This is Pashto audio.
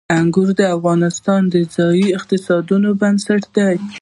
انګور د افغانستان د ځایي اقتصادونو بنسټ دی.